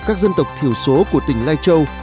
các dân tộc thiểu số của tỉnh lai châu